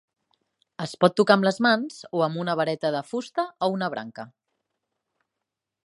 Es pot tocar amb les mans o amb una vareta de fusta o una branca.